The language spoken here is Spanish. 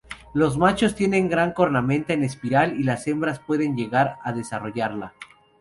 Los machos tienen gran cornamenta en espiral, y las hembras pueden llegar a desarrollarla.